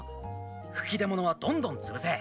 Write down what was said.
吹き出物はどんどんつぶせ。